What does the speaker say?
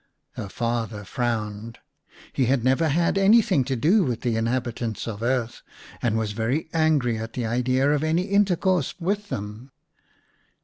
Her father frowned ; he had never had any thing to do with the inhabitants of earth, and was very angry at the idea of any intercourse with them.